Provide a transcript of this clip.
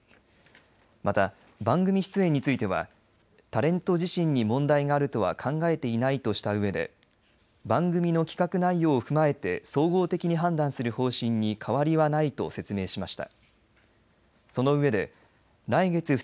また、番組出演についてはタレント自身に問題があるとは考えていないとしたうえで番組の企画内容を踏まえて総合的に判断する方針に変わりはないと説明しました。